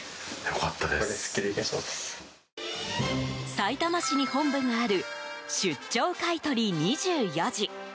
さいたま市に本部がある出張買取２４時。